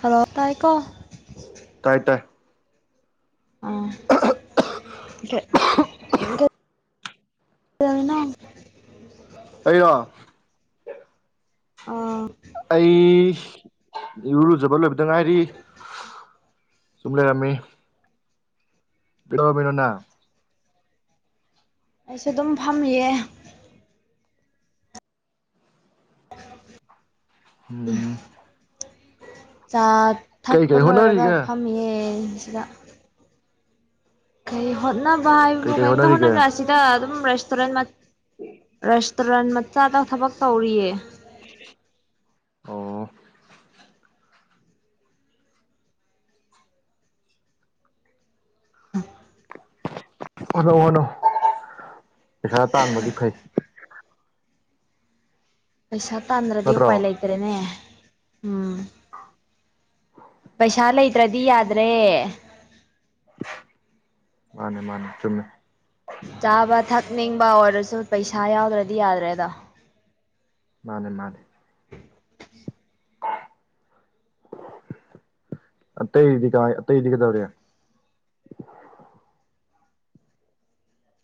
Hello ꯇꯥꯏꯀꯣ ꯇꯥꯏꯇꯔ ꯑ ꯑꯗꯨꯅ ꯑꯩꯩꯔꯣ ꯑꯥ ꯑꯩ ꯏꯔꯨꯖꯕ ꯂꯣꯏꯕꯗ ꯉꯥꯏꯔꯤ ꯆꯃ ꯂꯩꯔꯃꯤꯅꯣꯅ ꯑꯩꯁꯨ ꯑꯗꯨꯝ ꯐꯝꯌꯦ ꯎꯝ ꯆꯥꯛ ꯀꯩ ꯊꯛꯄ ꯀꯩ ꯂꯣꯏꯔꯒ ꯍꯣꯠꯅꯔꯤꯒꯦ ꯐꯝꯌꯦ ꯁꯤꯗ ꯀꯩ ꯍꯣꯠꯅꯕ ꯀꯩ ꯍꯥꯏꯕꯕꯨ ꯀꯩ ꯀꯩꯝꯇ ꯍꯣꯠꯅꯔꯤꯒꯦ ꯍꯣꯠꯅꯖꯔꯛꯑꯁꯤ ꯑꯛꯇ ꯑꯗꯨꯝ ꯔꯦꯁꯇꯨꯔꯦꯟ ꯔꯦꯁꯇꯨꯔꯦꯟ ꯃꯆꯥꯗ ꯊꯕꯛ ꯇꯧꯔꯤꯌꯦ ꯑꯣ ꯍꯅꯣ ꯑꯅꯧ ꯄꯩꯁꯥ ꯇꯥꯡꯕꯗꯤ ꯐꯩ ꯄꯩꯁꯥ ꯇꯥꯟꯗ꯭ꯔꯗꯤ ꯅꯠꯇ꯭ꯔꯣ ꯎꯄꯥꯏ ꯂꯩꯇ꯭ꯔꯦꯅꯦ ꯎꯝ ꯄꯩꯁꯥ ꯂꯩꯇ꯭ꯔꯗꯤ ꯌꯥꯗ꯭ꯔꯦ ꯃꯥꯅꯦ ꯃꯥꯅꯦ ꯆꯨꯝꯃꯦ ꯆꯥꯕ ꯊꯛꯅꯤꯡꯕ ꯑꯣꯔꯗꯔꯁꯨ ꯄꯩꯁꯥ ꯌꯥꯎꯗ꯭ꯔꯗꯤ ꯌꯥꯗ꯭ꯔꯦꯗꯣ ꯃꯥꯅꯦ ꯃꯥꯅꯦ ꯑꯇꯩꯗꯤ ꯀꯥꯏ ꯑꯇꯩꯗꯤ ꯀꯩꯗꯧꯔꯦ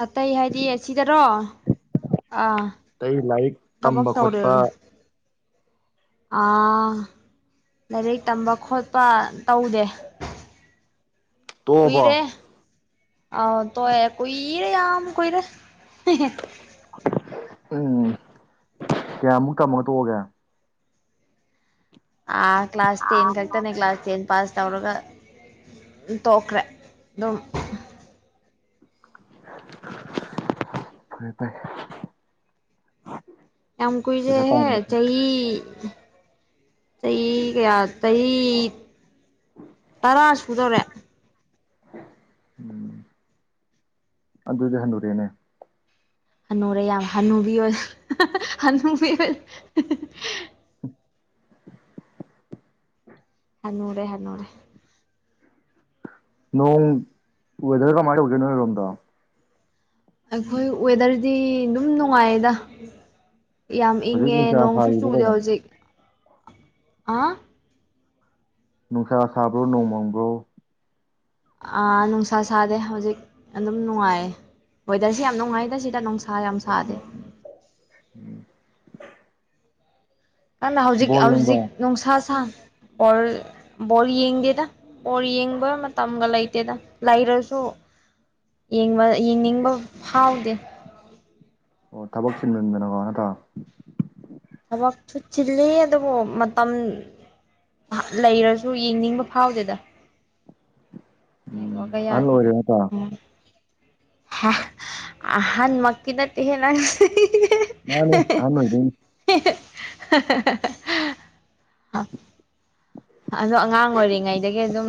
ꯑꯇꯩ ꯍꯥꯏꯗꯤ ꯑꯁꯤꯗꯔꯣ ꯑꯥ ꯑꯇꯩ ꯂꯥꯏꯔꯤꯛ ꯊꯕꯛ ꯇꯝꯕ ꯇꯧꯔꯦ ꯈꯣꯠꯄ ꯑꯥ ꯂꯥꯏꯔꯤꯛ ꯇꯝꯕ ꯈꯣꯠꯄ ꯇꯧꯗꯦ ꯇꯣꯛꯑꯕꯣ ꯀꯨꯏꯔꯦ ꯑꯥꯎ ꯇꯣꯏꯑꯦ ꯀꯨꯏꯔꯦ ꯌꯥꯝ ꯀꯨꯏꯔꯦ ꯎꯝ ꯀꯌꯥꯃꯨꯛ ꯇꯝꯃꯒ ꯇꯣꯛꯑꯒꯦ ꯑ ꯀ ꯀ꯭ꯂꯥꯁ ꯇꯦꯟ ꯀꯥꯛ ꯇꯅꯦ ꯀ ꯀ꯭ꯂꯥꯁ ꯇꯦꯟꯟ ꯄꯥꯁ ꯇꯧꯔꯒ ꯇꯣꯛꯈ꯭ꯔꯦ ꯑꯗꯨꯝ ꯍ ꯇꯥꯏ ꯌꯥꯝ ꯀꯣꯏꯁꯨꯦꯍ ꯆꯍꯤ ꯆꯍꯤ ꯆꯍꯤ ꯀꯌꯥ ꯆꯍꯤ ꯇꯔꯥ ꯁꯨꯗꯧꯔꯦ ꯎꯝ ꯑꯗꯨ ꯑꯗꯨꯗꯤ ꯍꯅꯨꯔꯦꯅꯦ ꯍꯟꯅꯨꯔꯦ ꯌꯥꯝ ꯍꯟꯅꯨꯕꯤ ꯑꯣꯏ ꯍꯅꯨꯕꯤ ꯑꯣꯏ ꯍꯅꯣꯔꯦ ꯍꯅꯣꯔꯦ ꯅꯣꯡ ꯋꯦꯗꯔ ꯀꯃꯥꯏꯅ ꯇꯧꯒꯦ ꯅꯣꯏꯔꯣꯝꯗ ꯑꯩꯈꯣꯏ ꯋꯦꯗꯔꯗꯤ ꯑꯗꯨꯝ ꯅꯨꯡꯉꯥꯏꯌꯦꯗ ꯌꯥꯝ ꯍꯧꯖꯤꯛ ꯏꯪꯉꯦ ꯅꯨꯡꯁꯥ ꯅꯣꯡꯁꯨ ꯁꯥꯔꯤꯕꯣ ꯆꯨꯗꯦ ꯀꯩꯅꯣ ꯍꯧꯖꯤꯛ ꯑ ꯅꯨꯡꯁꯥ ꯁꯕ꯭ꯔꯣ ꯅꯣꯡ ꯃꯥꯡꯕ꯭ꯔꯣ ꯅꯨꯡꯁꯥ ꯁꯥꯗꯦ ꯍꯧꯖꯤꯛ ꯑꯗꯨꯝ ꯅꯨꯡꯉꯥꯏꯌꯦ ꯋꯦꯗꯔꯁꯤ ꯌꯥꯝ ꯅꯨꯡꯉꯥꯏꯗ ꯁꯤꯗ ꯅꯨꯡꯁꯥ ꯌꯥꯝꯁꯥ ꯎꯝ ꯑꯗꯨꯅ ꯍꯧꯖꯤꯛ ꯍꯧꯖꯤꯛ ꯌꯦꯡꯕ ꯅꯨꯡꯁꯥ ꯁꯥ ꯑꯣꯔ ꯕꯣꯜ ꯌꯦꯡꯗꯦꯗ ꯕꯣꯜ ꯌꯦꯡꯕ ꯃꯇꯝꯒ ꯂꯩꯇꯦꯗ ꯂꯩꯔꯁꯨ ꯌꯦꯡꯕ ꯌꯦꯡꯅꯤꯡꯕ ꯐꯥꯎꯗꯦ ꯑꯣ ꯊꯕꯛ ꯁꯤꯤꯟꯃꯟꯗꯅꯀꯣ ꯅꯠꯇ꯭ꯔꯣ ꯊꯕꯛꯁꯨ ꯆꯤꯜꯂꯤ ꯑꯗꯨꯕꯨ ꯃꯇꯝ ꯂꯩꯔꯁꯨ ꯌꯦꯡꯅꯤꯡꯕ ꯐꯥꯎꯗꯦꯗ ꯃ ꯋꯥ ꯎꯝ ꯀ ꯑꯍꯟ ꯌꯥꯗ ꯑꯣꯏꯔꯦ ꯅꯠꯇ꯭ꯔꯥ ꯍꯥ ꯑꯍꯥꯟ ꯃ ꯀꯗꯠꯇ ꯍ ꯂꯪ ꯅꯥꯟꯦ ꯑꯃꯒ [unintelligible] ꯑꯗꯣ ꯑꯉꯥꯡ ꯑꯣꯏꯔꯤꯉꯩꯗꯒꯤ ꯑꯗꯨꯝ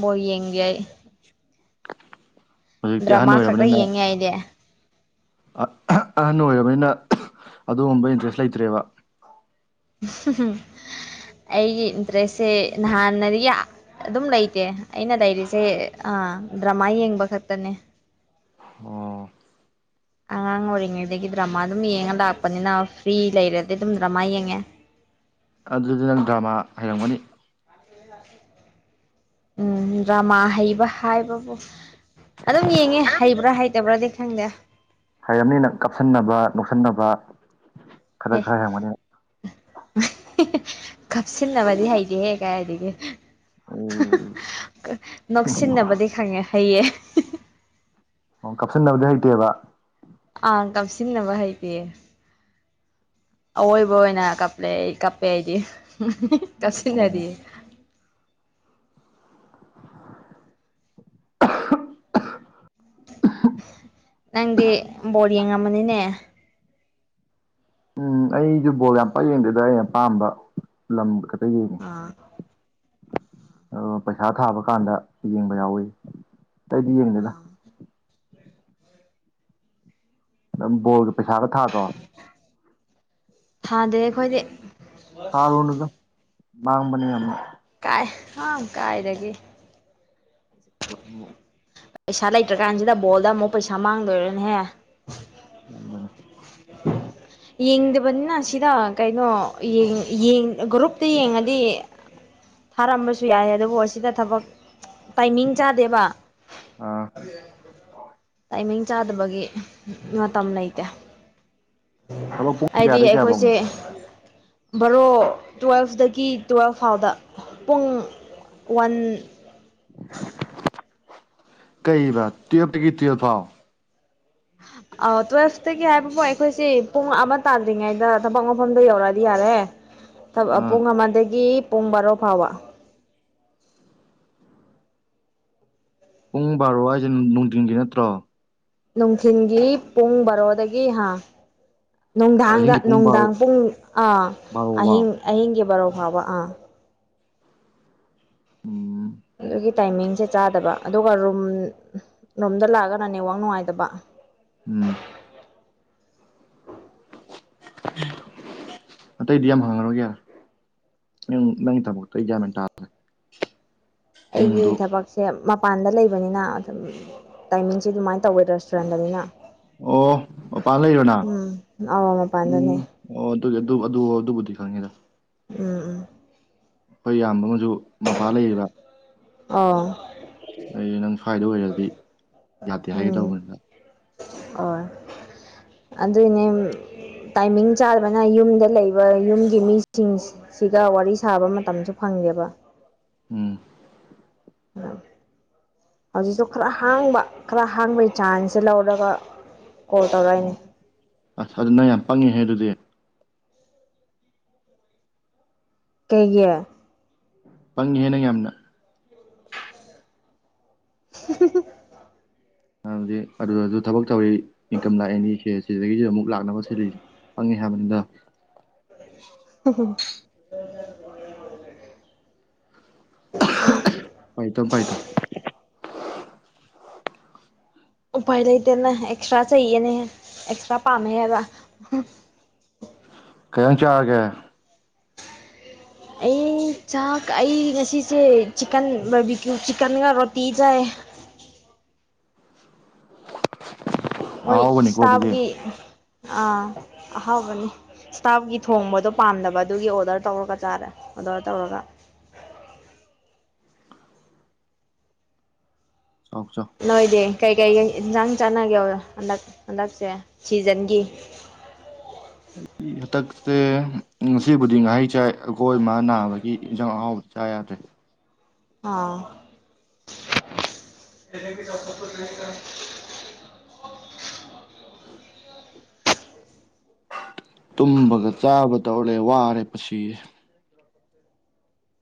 ꯕꯧ ꯌꯦꯡꯒꯦ ꯑꯩ ꯍꯧꯖꯤꯛꯇꯤ ꯑꯍꯟ ꯑꯣꯏꯔꯕꯅꯤꯅ ꯥꯏꯗꯦ ꯑꯍꯟ ꯑꯣꯏꯔꯕꯅꯤꯅ ꯑꯗꯨꯒꯨꯝꯕ ꯏꯟꯇ꯭ꯔꯦꯁ ꯂꯩꯇ꯭ꯔꯦꯕ ꯑꯩꯒꯤ ꯏꯟꯇꯔꯦꯁꯁꯦ ꯅꯍꯥꯟꯅ ꯑꯗꯨꯝ ꯂꯩꯇꯦ ꯑꯩꯅ ꯗꯥꯏꯔꯤꯁꯦ ꯗ꯭ꯔꯃꯥ ꯌꯦꯡꯕ ꯈꯛꯇꯅꯦ ꯑꯣ ꯑꯉꯥꯡ ꯑꯣꯏꯔꯤꯉꯩꯗꯒꯤ ꯗ꯭ꯔꯃꯥ ꯑꯗꯨꯝ ꯌꯦꯡꯉ ꯂꯥꯛꯄꯅꯤꯅ ꯐ꯭ꯔꯤ ꯂꯩꯔꯗꯤ ꯑꯗꯨꯝ ꯗ꯭ꯔꯃꯥ ꯌꯦꯡꯉꯦ ꯑꯗꯨꯗꯤ ꯅꯪ ꯗ꯭ꯔꯃꯥ ꯍꯩꯔꯝꯒꯅꯤ ꯍ ꯍꯥꯏ ꯎꯝ ꯗ꯭ꯔꯃꯥ ꯍꯩꯕ ꯍꯥꯏꯕꯕꯨ ꯑꯗꯨꯝ ꯌꯦꯡꯉꯦ ꯍꯩꯕ꯭ꯔꯥ ꯍꯩꯇꯕ꯭ꯔꯥꯗꯤ ꯈꯪꯗꯦ ꯍꯩꯔꯝꯅꯤ ꯅꯪ ꯀꯥꯞꯁꯟꯅꯕ ꯅꯣꯛꯁꯟꯅꯕ ꯈꯔ ꯍꯦ ꯈꯔ ꯍꯦꯟꯒꯅꯤ ꯀꯥꯞꯁꯤꯟꯅꯕꯗꯤ ꯍꯩꯇꯦꯍꯦ ꯀꯥꯏꯗꯒꯤ꯫ ꯎꯝ꯫ ꯅꯣꯛꯁꯤꯟꯅꯕꯗꯤ ꯈꯪꯉꯦ ꯍꯩꯌꯦ꯫ ꯀꯞꯁꯤꯟꯅꯕꯗꯤ ꯍꯩꯇꯦꯕ꯫ ꯑꯥ ꯀꯞꯁꯤꯟꯅꯕ ꯍꯩꯇꯦ꯫ ꯑꯋꯣꯏꯕ ꯑꯣꯏꯅ ꯀꯞꯂꯦ ꯑꯩ ꯀꯞꯄꯦ ꯑꯩꯗꯤ ꯑꯣ ꯀꯞꯁꯤꯟꯅꯗꯤ꯫ ꯅꯪꯗꯤ ꯕꯣꯔ ꯌꯦꯡꯉꯝꯃꯅꯤꯅꯦ꯫ ꯎꯝ ꯑꯩꯁꯨ ꯕꯣꯜ ꯌꯥꯝ ꯄꯛ ꯌꯦꯡꯗꯦꯗ ꯑꯩꯅ ꯄꯥꯝꯕ ꯂꯝ ꯈꯛꯇ ꯌꯦꯡꯉꯦ ꯑꯥ ꯄꯩꯁꯥ ꯊꯥꯕ ꯀꯥꯟꯗ ꯌꯦꯡꯕ ꯌꯥꯎꯋꯤ ꯑꯩꯇꯩꯗꯤ ꯌꯦꯡꯗꯦꯅ ꯑꯥ ꯅꯪ ꯕꯣꯜꯒ ꯄꯩꯁꯥꯒ ꯊꯥꯗ꯭ꯔꯣ ꯊꯗ ꯑꯩꯈꯣꯏꯗꯤ ꯍꯥꯔꯅꯗ ꯃꯥꯥꯡꯃꯅꯤꯃ ꯀꯥꯏ ꯑ ꯀꯥꯏꯗꯒꯤ ꯑꯃ ꯄꯩꯁꯥ ꯂꯩꯇ꯭ꯔꯀꯥꯟꯁꯤꯗ ꯕꯣꯜꯗ ꯑꯃꯨꯛ ꯄꯩꯁꯥ ꯃꯥꯡꯗꯣꯏꯔꯅꯦꯍꯦ [unintelligible] [unintelligible] ꯌꯦꯡꯗꯕꯅꯤꯅ ꯁꯤꯗ ꯀꯩꯅꯣ ꯌꯦꯡ ꯌꯦꯡ ꯒ꯭ꯔꯨꯞꯇ ꯌꯦꯡꯉꯗꯤ꯫ ꯊꯥꯔꯝꯕꯁꯨ ꯌꯥꯏ ꯑꯗꯨꯕꯨ ꯑꯁꯤꯗ ꯊꯕꯛ ꯇꯥꯏꯃꯤꯡ ꯆꯥꯗꯦꯕ꯫ ꯑꯥ꯫ ꯇꯥꯏꯃꯤꯡ ꯆꯥꯗꯕꯒꯤ ꯃꯇꯝ ꯂꯩꯇꯦ꯫ ꯊꯕꯛ ꯄꯨꯡ ꯍꯥꯏꯗꯤ ꯀꯌꯥꯗꯩ ꯀꯌꯥꯐꯧꯅꯣ ꯑꯩꯈꯣꯏꯁꯦ꯫ ꯕꯔꯣ ꯇꯨꯋꯦꯜꯐꯇꯒꯤ ꯇꯨꯋꯦꯜꯐ ꯐꯥꯎꯗ ꯄꯨꯡ ꯋꯥꯟ꯫ ꯀꯩꯕ ꯇꯨꯌꯦꯜꯐ ꯇꯥꯒꯤ ꯇꯨꯌꯦꯜꯐ ꯐꯥꯎ꯫ ꯍ꯫ ꯇꯨꯌꯦꯜꯐꯇꯒꯤ ꯍꯥꯏꯕꯕꯨ ꯑꯩꯈꯣꯏꯁꯤ ꯄꯨꯡ ꯑꯃ ꯇꯥꯗ꯭ꯔꯤꯉꯩꯗ ꯊꯕꯛ ꯃꯐꯝꯗ ꯌꯧꯔꯛꯑꯗꯤ ꯌꯥꯔꯦ꯫ ꯊꯕꯛ ꯑꯥ ꯄꯨꯡ ꯑꯃꯗꯒꯤ ꯄꯨꯡ ꯕꯥꯔꯣ ꯐꯥꯎꯕ꯫ ꯄꯨꯡ ꯕꯥꯔꯣ ꯍꯥꯏꯁꯦ ꯅꯨꯡꯊꯤꯟꯒꯤ ꯅꯠꯇ꯭ꯔꯣ꯫ ꯅꯨꯡꯊꯤꯟꯒꯤ ꯄꯨꯡ ꯕꯥꯔꯣꯗꯒꯤ ꯍꯥ꯫ ꯅꯨꯡꯗꯥꯡꯗ ꯑꯍꯤꯡꯒꯤ ꯄꯨꯡ ꯕꯥꯔꯣ ꯅꯨꯡꯗꯥꯡ ꯄꯨꯡ ꯑꯥ ꯕꯥꯔꯣꯕꯥꯎ ꯑꯍꯤꯡ ꯑꯍꯤꯡꯒꯤ ꯕꯥꯔꯣ ꯐꯥꯎꯕ ꯑꯥ꯫ ꯎꯝ꯫ ꯒꯤ ꯇꯥꯏꯃꯤꯡꯁꯦ ꯆꯥꯗꯕ ꯑꯗꯨꯒ ꯔꯨꯝ ꯔꯨꯝꯗ ꯂꯥꯛꯑꯒꯅ ꯅꯦꯠꯋꯥꯛ ꯅꯨꯡꯉꯥꯏꯇꯕ꯫ ꯎꯝ꯫ ꯑꯇꯩꯗꯤ ꯌꯥꯝ ꯍꯪꯉꯔꯣꯏꯒꯦ ꯅꯪ ꯅꯪꯒꯤ ꯊꯕꯛꯇꯣ ꯑꯩ ꯒꯌ꯭ꯥꯟꯃꯦꯟ ꯇꯥ꯫ ꯑꯩꯒꯤ ꯊꯕꯛꯁꯦ꯫ ꯁꯦ ꯃꯄꯥꯟꯗ ꯂꯩꯕꯅꯤꯅ ꯇꯥꯏꯃꯤꯡꯁꯦ ꯑꯗꯨꯃꯥꯏꯅ ꯇꯧꯋꯦ ꯔꯦꯁꯇꯨꯔꯦꯟꯗꯅꯤꯅ꯫ ꯑꯣ ꯃꯄꯥꯟ ꯂꯩꯔꯦꯔꯣ ꯅꯪ ꯎꯝ ꯑꯧ ꯎꯝ꯫ ꯃꯄꯥꯟꯗꯅꯦ ꯑꯣ ꯑꯗꯨꯒꯤ ꯑꯗꯨ ꯑꯗꯨ ꯑꯗꯨꯕꯨꯗꯤ ꯈꯪꯉꯤꯗ꯫ ꯎꯝ ꯎꯝ꯫ ꯍꯈꯣꯏ ꯏꯌꯥꯝꯕ ꯑꯃꯁꯨ ꯃꯄꯥꯜ ꯂꯩꯔꯤꯕ꯫ ꯑꯣ꯫ ꯑꯩ ꯅꯪ꯫ ꯁ꯭ꯋꯥꯏꯗ ꯑꯣꯏꯔꯗꯤ ꯌꯥꯗꯦ ꯍꯥꯏꯒꯦ ꯎꯝ ꯇꯧꯕꯅꯤꯗ ꯑꯣ꯫ ꯑꯗꯨꯅꯦ꯫ ꯇꯥꯏꯃꯤꯡ ꯆꯥꯕꯅ ꯌꯨꯝꯗ ꯂꯩꯕ ꯌꯨꯝꯒꯤ ꯃꯤꯁꯤꯡꯁ꯫ ꯁꯤꯒ ꯋꯥꯔꯤ ꯁꯥꯕ ꯃꯇꯝꯁꯨ ꯐꯪꯉꯦꯕ꯫ ꯎꯝ꯫ ꯎꯝ꯫ ꯍꯧꯖꯤꯛꯁꯨ ꯈꯔ ꯍꯥꯡꯕ ꯈꯔ ꯍꯥꯡꯕꯒꯤ ꯆꯥꯟꯁꯁꯦ ꯂꯧꯔꯒ ꯀꯣꯜ ꯇꯧꯔꯛꯏꯅꯦ꯫ ꯑꯣ ꯑꯁ ꯑꯗꯨ ꯅ ꯌꯥꯝ ꯄꯪꯉꯦꯍꯦ ꯑꯗꯨꯗꯤ꯫ ꯀꯩꯒꯤ꯫ ꯄꯪꯉꯤꯦ ꯅꯪ ꯌꯥꯝꯅ [inaudible] ꯗꯤ ꯑꯗꯨꯗ ꯑꯗꯨ ꯊꯕꯛ ꯇꯧꯋꯔꯤ ꯏꯟꯀꯝ ꯂꯥꯛꯑꯅꯤ ꯁꯦꯁ ꯁꯤꯗꯒꯤꯁꯨ ꯑꯃꯨꯛ ꯂꯥꯛꯅꯕ ꯁꯤꯜꯂꯤꯁꯦ ꯐꯪꯉꯦ ꯍꯥꯏꯕꯅꯤꯗ ꯍ ꯍ ꯄꯥꯏꯇꯣ ꯄꯥꯏꯇꯣ ꯎꯄꯥꯏ ꯂꯩꯇꯦꯅ ꯑꯦꯛꯁꯇ꯭ꯔꯥ ꯆꯩꯌꯦꯅꯦ ꯑꯦꯛꯁꯇ꯭ꯔꯥ ꯄꯥꯝꯃꯦ ꯍꯥꯏꯕ꯫ ꯎꯝ꯫ ꯀꯩꯖꯡ ꯆꯥꯔꯒꯦ꯫ ꯑꯩ ꯆꯥꯛ ꯑꯩ ꯉꯁꯤꯁꯦ ꯆꯤꯛꯀꯟ ꯕꯔꯕꯤꯀ꯭ꯌꯨꯨ ꯆꯤꯛꯀꯟꯒ ꯔꯣꯇꯤ ꯆꯥꯏ꯫ ꯃꯣꯏ ꯑꯍꯥꯎꯕꯅꯤꯀꯣ ꯑꯗꯨꯗꯤ ꯏꯁꯇꯥꯐꯀꯤ ꯑꯥ ꯑꯍꯥꯎꯕꯅꯤ꯫ ꯏꯁꯇꯥꯞꯀꯤ ꯊꯣꯡꯕꯗꯣ ꯄꯥꯝꯗꯕ ꯑꯗꯨꯒꯤ ꯑꯣꯔꯗꯔ ꯇꯧꯔꯒ ꯆꯥꯔꯦ ꯑꯣꯔꯗꯔ ꯇꯧꯔꯒ꯫ ꯆꯥꯎ ꯆꯥꯎ꯫ ꯅꯣꯏꯗꯤ ꯀꯩꯀꯩ ꯏꯟꯁꯥꯡ ꯆꯥꯟꯅꯒꯦ ꯍꯟꯗꯛ ꯍꯟꯗꯛꯁꯦ ꯁꯤꯖꯟꯒꯤ꯫ ꯑꯩ ꯍꯇꯛꯁꯦ ꯉꯁꯤꯕꯨꯗꯤ ꯉꯍꯩ ꯆꯥꯏ ꯑꯩꯈꯣꯏ ꯏꯃ ꯅꯥꯕꯒꯤ ꯒꯤ ꯏꯟꯖꯥꯡ ꯑꯍꯥꯎꯕ ꯆꯥ ꯌꯥꯗ꯭ꯔꯦ ꯑ ꯇꯨꯝꯕꯒ ꯆꯥꯕ ꯇꯧꯔꯦ ꯋꯥꯔꯦ ꯄꯨꯁꯤ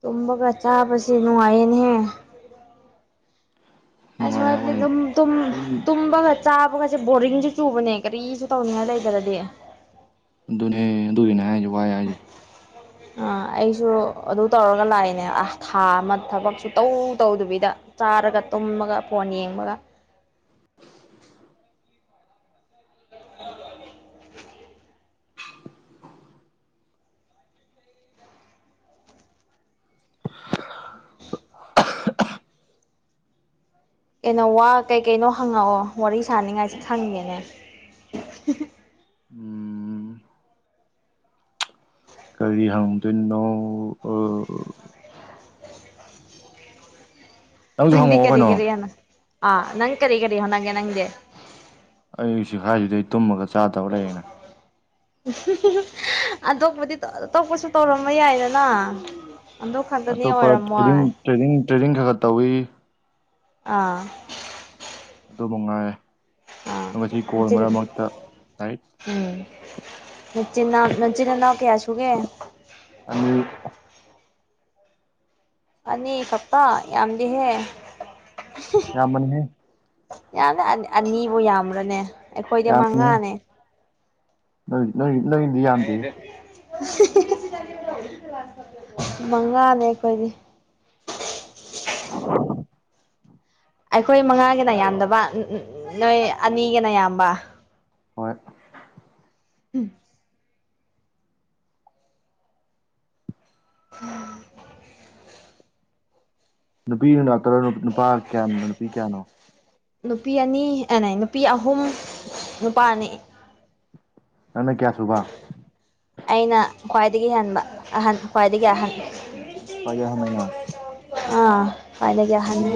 ꯇꯨꯝꯃꯒ ꯆꯥꯕꯁꯤꯦ ꯅꯨꯡꯉꯥꯏꯌꯦꯅꯍꯦ ꯅꯨꯡꯉꯥꯏ ꯑꯁꯨꯃꯗꯤ ꯍꯥꯏꯕꯋꯥꯅꯤ ꯑꯗꯨꯝ ꯇꯝ ꯁꯨꯝ ꯇꯝꯕꯠ ꯆꯥꯕꯒꯩꯁꯦ ꯕꯣꯔꯤꯡꯁꯨ ꯆꯨꯕꯅꯦ ꯀꯔꯤꯁꯨ ꯇꯧꯅꯤꯡꯉꯥꯏ ꯂꯩꯗ꯭ꯔꯗꯤ ꯑꯗꯨꯅꯦ ꯑꯗꯨꯒꯤꯅꯦ ꯍꯥꯏꯁꯦ ꯋꯥꯏ ꯍꯥꯏꯁꯦ ꯎꯝ ꯑꯥ ꯑꯩꯁꯨ ꯑꯗꯨ ꯇꯧꯔꯒ ꯂꯥꯛꯏꯅꯦ ꯑ ꯊꯥ ꯑꯃ ꯊꯕꯛꯁꯨ ꯇꯧ ꯇꯧꯗꯕꯤꯗ ꯆꯥꯔꯒ ꯇꯨꯝꯃꯒ ꯐꯣꯟ ꯌꯦꯡꯕꯒ [inaudible] [inaudible] ꯀꯩꯅꯣ ꯋꯥ ꯀꯩ ꯀꯩꯅꯣ ꯍꯪꯉꯛꯑꯣ ꯋꯥꯔꯤ ꯁꯥꯅꯤꯡꯉꯥꯏꯁꯦ ꯈꯪꯉꯦꯅꯦ ꯎꯝ ꯀꯔꯤ ꯍꯪꯗꯣꯏꯅꯣ ꯅꯪꯁꯨ ꯅꯪꯗꯤ ꯍꯪꯉꯛꯑꯣ ꯀꯔꯤ ꯀꯩꯅꯣ ꯀꯔꯤ ꯍꯥꯏꯅ ꯑ ꯅꯪ ꯀꯔꯤ ꯀꯔꯤꯣ ꯅꯒꯦ ꯅꯪꯗꯦ ꯑꯩ ꯍꯧꯁꯤꯛꯈꯥꯏꯁꯤꯗꯩ ꯇꯨꯝꯃꯒ ꯆꯥꯗꯕ ꯂꯩꯌꯦꯦꯅ ꯑꯇꯣꯞꯄꯗꯤ ꯑꯇꯣꯞꯄꯁꯨ ꯇꯧꯔꯝꯕ ꯌꯥꯏꯗꯅ ꯑꯗꯨ ꯈꯥꯟꯛꯇꯅꯤ ꯑꯣꯏꯔꯝꯃꯣꯏ ꯇ꯭ꯔꯦꯅꯤꯡ ꯇ꯭ꯔꯦꯅꯤꯡ ꯈꯔ ꯈꯔ ꯇꯧꯏꯤ ꯑꯥ ꯑꯗꯨꯕꯨꯉꯥꯏ ꯑꯥ [unintelligible] ꯂꯥꯏꯔꯤꯛ ꯎꯝ ꯅꯆꯤꯟꯅꯥꯎ ꯅꯆꯤꯟꯅꯅꯥꯎ ꯀꯌꯥ ꯁꯨꯒꯦ ꯑꯅꯤ ꯑꯅꯤ ꯈꯛꯇ ꯌꯥꯝꯗꯦꯍꯦ ꯌꯥꯝꯃꯅꯤꯍꯦ ꯌꯥꯝꯅꯤ ꯑꯅꯤ ꯑꯅꯤꯕꯨ ꯌꯥꯝꯕ꯭ꯔꯅꯦ ꯑꯩꯈꯣꯏꯗꯤ ꯌꯥꯝꯃꯤꯍꯦ ꯃꯉꯥꯅꯦ ꯅꯣꯏ ꯅꯣꯏ ꯅꯣꯏ ꯃꯉꯥꯅꯦ ꯑꯩꯈꯣꯏꯗꯤ [inaudible] ꯑꯩꯈꯣꯏ ꯃꯉꯥꯒꯤꯅ ꯌꯥꯝꯗꯕ ꯅꯣꯏ ꯑꯅꯤꯒꯤꯅ ꯌꯥꯝꯕ ꯍꯣꯏ ꯍꯝ ꯎꯝ ꯅꯨꯄꯤꯅ ꯅꯥꯛꯇ꯭ꯔꯣ ꯅꯨꯄꯥ ꯀꯌꯥꯅꯣ ꯅꯨꯄꯤ ꯀꯌꯥꯅꯣ ꯅꯨꯄꯤ ꯑꯅꯤ ꯑꯦꯅꯩ ꯅꯨꯄꯤ ꯑꯍꯨꯝ ꯅꯨꯄꯥ ꯑꯅꯤ ꯅꯪꯅ ꯀꯌꯥ ꯁꯨꯕ ꯑꯩꯅ ꯈ꯭ꯋꯥꯏꯗꯒꯤ ꯍꯟꯕ ꯑꯍꯟ ꯈ꯭ꯋꯥꯏꯗꯒꯤ ꯑꯍꯟ ꯑꯣ ꯈꯋꯥꯏꯗꯩ ꯑꯍꯟ ꯅꯪꯅ ꯑꯥ ꯐꯥꯏꯗꯒꯤ ꯑꯍꯟꯅꯦ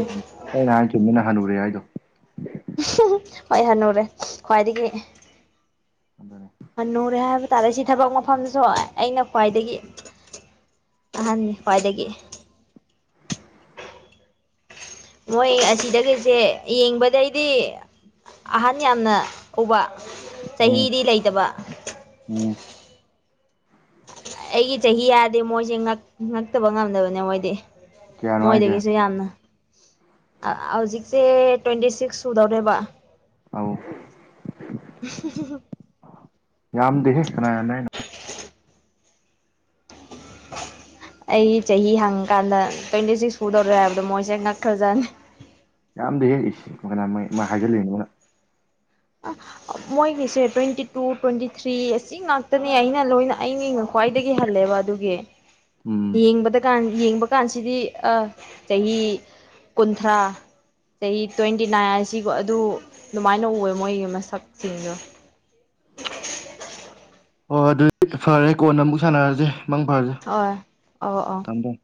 ꯑꯩꯩꯅ ꯍꯥꯏ ꯆꯨꯝꯃꯤ ꯅꯪ ꯍꯟꯔꯨꯔꯦ ꯍꯥꯏꯗꯣ ꯍꯣꯏ ꯍꯅꯨꯔꯦ ꯈ꯭ꯋꯥꯏꯗꯒꯤ ꯑꯗꯨꯅꯦ ꯍꯟꯅꯨꯔꯦ ꯍꯥꯏꯕ ꯇꯥꯔꯦ ꯁꯤ ꯊꯕꯛ ꯃꯐꯝꯗꯁꯨ ꯑꯩꯅ ꯈ꯭ꯋꯥꯏꯗꯒꯤ ꯑꯍꯟꯅꯤ ꯈ꯭ꯋꯥꯏꯗꯒꯤ ꯃꯣꯏ ꯑꯁꯤꯗꯒꯤꯁꯦ ꯌꯦꯡꯕꯗꯩꯗꯤ ꯑꯍꯟ ꯌꯥꯝꯅ ꯎꯕ ꯎꯝ ꯆꯍꯤꯗꯤ ꯂꯩꯇꯕ ꯎꯝ ꯑꯩꯒꯤ ꯆꯍꯤ ꯌꯥꯗꯦ ꯃꯣꯏꯁꯦ ꯉꯛ ꯉꯛꯇꯕ ꯉꯝꯗꯕꯅꯦ ꯃꯣꯏꯗꯤ ꯀꯌꯥꯅꯣ ꯍꯥꯏꯁꯦ ꯃꯣꯏꯗꯒꯤꯁꯨ ꯌꯥꯝꯅ ꯑ ꯍꯧꯖꯤꯛꯁꯦ ꯇ꯭ꯋꯦꯟꯇꯤ ꯁꯤꯛꯁ ꯁꯨꯗꯧꯔꯦꯕ ꯑꯥꯎ ꯎ [unintelligible] ꯌꯥꯝꯗꯦꯍꯦ ꯀꯅꯥꯅ ꯍꯥꯏꯅꯣ ꯑꯩ ꯆꯍꯤ ꯍꯪꯀꯥꯟꯗ ꯇ꯭ꯋꯦꯟꯇꯤ ꯁꯤꯛꯁ ꯁꯨꯗꯧꯔꯦ ꯍꯥꯏꯕꯗꯣ ꯃꯣꯏꯁꯦ ꯉꯛꯈ꯭ꯔꯖꯥꯠꯅꯤ ꯌꯥꯝꯗꯦꯍꯦ ꯏꯁ ꯀꯅꯥꯅ ꯃꯣꯏ ꯃꯣꯏꯍꯥꯢꯖꯤꯟꯂꯤꯅꯤ ꯃꯣꯏꯅ ꯑꯥ ꯃꯣꯏꯒꯤꯁꯦ ꯇ꯭ꯋꯦꯟꯇꯤ ꯇꯨ ꯇ꯭ꯋꯦꯟꯇꯤ ꯊ꯭ꯔꯤ ꯑꯁꯤ ꯉꯥꯛꯇꯅꯦ ꯑꯩꯅ ꯂꯣꯏꯅ ꯑꯩꯅꯤꯡ ꯈ꯭ꯋꯥꯏꯗꯒꯤ ꯍꯜꯂꯦꯕ ꯑꯗꯨꯒꯤ ꯎꯝ ꯌꯦꯡꯕꯗ ꯀꯥꯟ ꯌꯦꯡꯕ ꯀꯥꯟꯁꯤꯗꯤ ꯑ ꯆꯍꯤ ꯀꯨꯟꯊ꯭ꯔꯥ ꯆꯍꯤ ꯇ꯭ꯋꯦꯟꯇꯤ ꯅꯥꯏꯟ ꯑꯁꯤꯀꯣ ꯑꯗꯨ ꯑꯗꯨꯃꯥꯏꯅ ꯎꯑꯦ ꯃꯣꯏꯒꯤ ꯃꯁꯛꯁꯤꯡꯗꯣ ꯍꯣꯏ ꯑꯗꯨꯗꯤ ꯐꯔꯦ ꯀꯣꯟꯅ ꯑꯃꯨꯛ ꯁꯥꯟꯅꯔꯁꯦ ꯃꯪ ꯐꯔꯁꯦ ꯑꯣꯏ ꯑꯧ ꯑꯧ ꯊꯝꯕꯣ